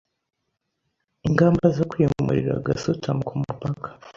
ingamba zo kwimurira gasutamo ku mupaka